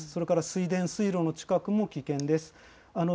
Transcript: それから水田、水路の近くも危険です。